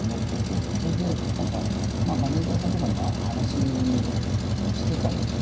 それで何かマネージャーさんとかにも話してたんですよ。